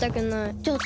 ちょっと！